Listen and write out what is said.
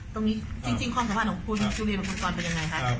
ตรงนี้จริงความสัมพันธ์ของคุณจุเรียนและคุณกรเป็นยังไงครับ